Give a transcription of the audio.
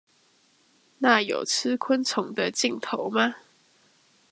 那有吃昆蟲的鏡頭嗎？